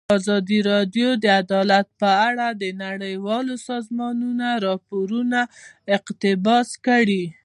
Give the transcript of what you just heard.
ازادي راډیو د عدالت په اړه د نړیوالو سازمانونو راپورونه اقتباس کړي.